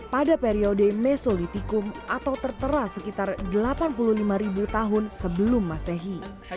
pada periode mesolitikum atau tertera sekitar delapan puluh lima ribu tahun sebelum masehi